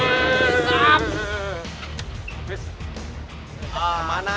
ini terbang kita nih